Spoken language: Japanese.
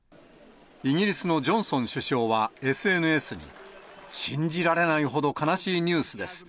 イギリスのジョンソン首相はＳＮＳに、信じられないほど悲しいニュースです。